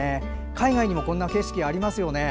海外にもこんな風景ありますよね。